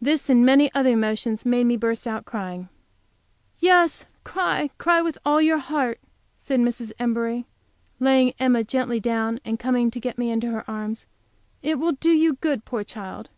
This, and many other emotions, made me burst out crying. "Yes, cry, cry, with all your heart," said Mrs. Embury, laying Emma gently down, and coming to get me into her arms. "It will do you good, poor child!"